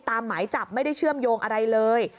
หมายจับไม่ได้เชื่อมโยงอะไรเลย